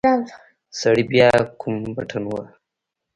سړي بيا کوم بټن وواهه.